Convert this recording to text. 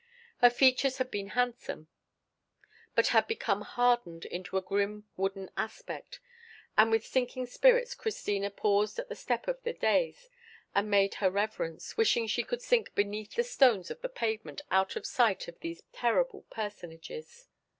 Her features had been handsome, but had become hardened into a grim wooden aspect; and with sinking spirits Christina paused at the step of the daïs, and made her reverence, wishing she could sink beneath the stones of the pavement out of sight of these terrible personages.